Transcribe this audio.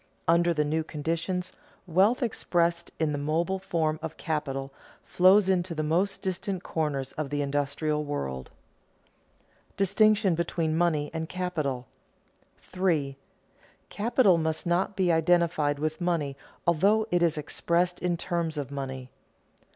Under the new conditions, wealth, expressed in the mobile form of capital, flows into the most distant corners of the industrial world. [Sidenote: Distinction between money and capital] 3. _Capital must not be identified with money although it is expressed in terms of money.